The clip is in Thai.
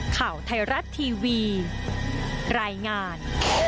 ข่าวไทยรัฐทีวีรายงาน